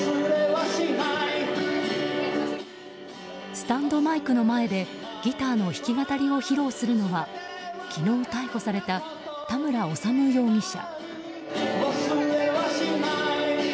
スタンドマイクの前でギターの弾き語りを披露するのは昨日逮捕された田村修容疑者。